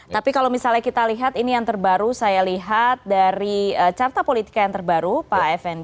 tapi kalau misalnya kita lihat ini yang terbaru saya lihat dari carta politika yang terbaru pak effendi